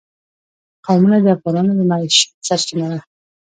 قومونه د افغانانو د معیشت سرچینه ده.